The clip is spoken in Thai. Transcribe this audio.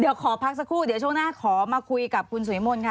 เดี๋ยวขอพักสักครู่เดี๋ยวช่วงหน้าขอมาคุยกับคุณสุวิมนต์ค่ะ